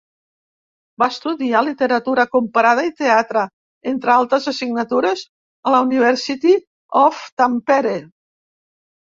Va estudiar literatura comparada i teatre, entre altres assignatures, a la University of Tampere.